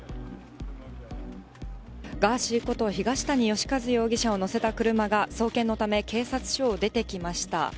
ガーシーこと東谷義和容疑者を乗せた車が送検のため、警察署を出てきました。